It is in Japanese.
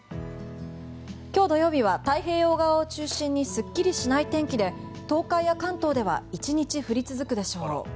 今日土曜日は太平洋側を中心にすっきりしないお天気で東海や関東では１日降り続くでしょう。